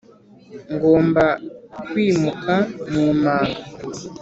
ngomba kwimuka mu manga.